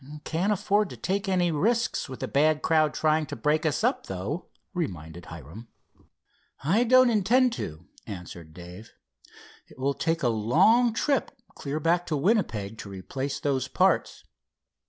"Can't afford to take any risks with the bad crowd trying to break us up though," reminded Hiram. "I don't intend to," answered Dave. "It will take a long trip clear back to Winnipeg to replace those parts.